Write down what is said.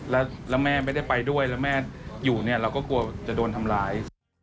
แล้วแม่ไม่ได้ไปด้วยแล้วแม่อยู่เนี่ยเราก็กลัวจะโดนทำร้าย